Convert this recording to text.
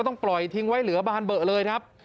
ต้องปล่อยทิ้งไว้เหลือบานเบอร์เลยครับ